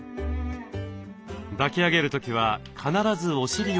抱き上げる時は必ずお尻を支えます。